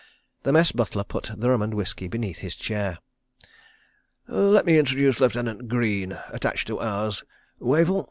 The Mess butler put the rum and whisky beneath his chair. "Let me introduce Lieutenant Greene, attached to Ours. Wavell